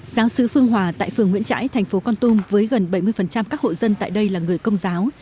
giáo sứ phương hòa tại phường nguyễn trãi thành phố con tum với gần bảy mươi các hộ dân tại đây là người công giáo